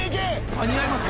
間に合います？